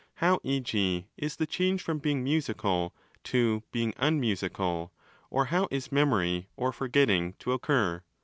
How, e.g., is the change from being musical to being unmusical, or how. is memory or forgetting, to occur?